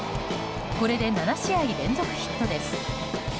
これで７試合連続ヒットです。